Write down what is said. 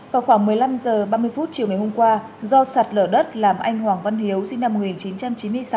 vào khoảng một mươi năm h ba mươi chiều ngày hôm qua do sạt lở đất làm anh hoàng văn hiếu sinh năm một nghìn chín trăm chín mươi sáu